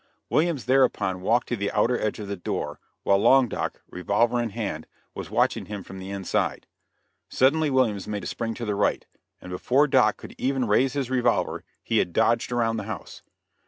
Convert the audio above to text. Williams thereupon walked to the outer edge of the door, while Long Doc, revolver in hand, was watching him from the inside. Suddenly Williams made a spring to the right, and before Doc could even raise his revolver, he had dodged around the house.